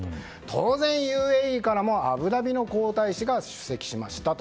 当然、ＵＡＥからもアブダビの皇太子が出席しましたと。